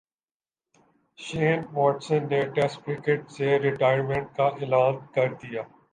شین واٹسن نے test cricket سے ریٹائرمنٹ کا اعلان کر دیا